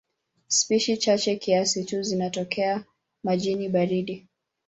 Spishi chache kiasi tu zinatokea majini baridi.